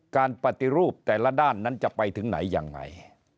การปฏิรูปแต่ละด้านนั้นจะไปถึงไหนยังไง